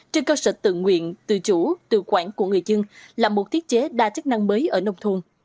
trên cơ sở tự nguyện tự chủ tự quản của người dân là một thiết chế đa chức năng mới ở nông thôn